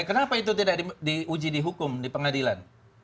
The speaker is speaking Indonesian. kenapa itu tidak diuji dihukum di pengadilan